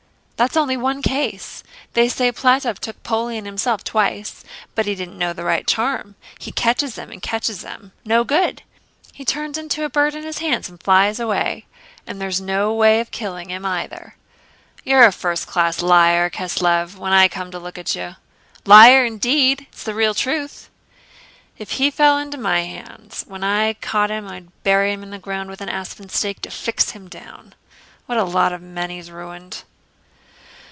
That's only one case. They say Plátov took 'Poleon himself twice. But he didn't know the right charm. He catches him and catches him—no good! He turns into a bird in his hands and flies away. And there's no way of killing him either." "You're a first class liar, Kiselëv, when I come to look at you!" "Liar, indeed! It's the real truth." "If he fell into my hands, when I'd caught him I'd bury him in the ground with an aspen stake to fix him down. What a lot of men he's ruined!"